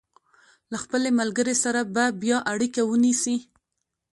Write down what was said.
له خپلې ملګرې سره به بیا اړیکه ونیسي.